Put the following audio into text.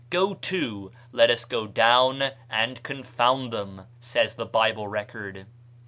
Go to, let us go down and confound them," says the Bible record.